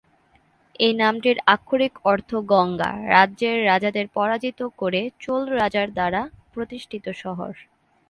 এই নামটির আক্ষরিক অর্থ গঙ্গা রাজ্যের রাজাদের পরাজিত করে চোল রাজার দ্বারা প্রতিষ্ঠিত শহর।